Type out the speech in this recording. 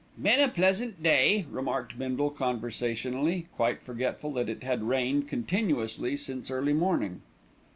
"Been a pleasant day," remarked Bindle conversationally, quite forgetful that it had rained continuously since early morning.